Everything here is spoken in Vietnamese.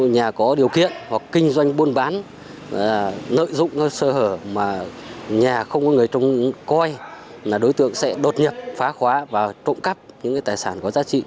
nhà có điều kiện hoặc kinh doanh buôn bán lợi dụng sơ hở mà nhà không có người trông coi là đối tượng sẽ đột nhập phá khóa và trộm cắp những tài sản có giá trị